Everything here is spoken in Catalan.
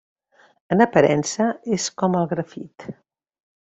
En aparença és com el grafit.